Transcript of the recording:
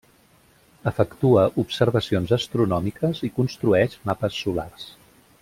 Efectua observacions astronòmiques i construeix mapes solars.